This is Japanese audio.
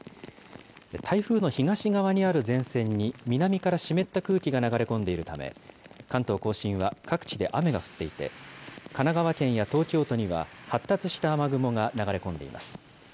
台風の東側にある前線に南から湿った空気が流れ込んでいるため、関東甲信は各地で雨が降っていて、神奈川県や東京都には、発達した雨雲が流れ込んでいます。